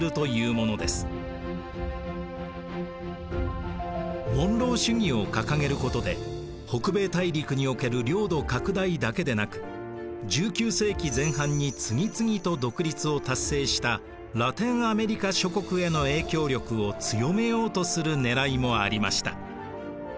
モンロー主義を掲げることで北米大陸における領土拡大だけでなく１９世紀前半に次々と独立を達成したラテンアメリカ諸国への影響力を強めようとするねらいもありました。